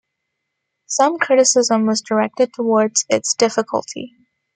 Some criticism was directed towards its difficulty.